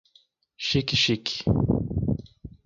Xique-Xique